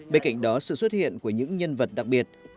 bên cạnh đó sự xuất hiện của những nhân vật đặc biệt